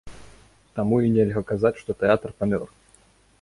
Таму і нельга казаць, што тэатр памёр.